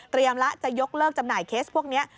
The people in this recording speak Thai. แล้วจะยกเลิกจำหน่ายเคสพวกนี้